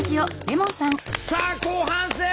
さあ後半戦！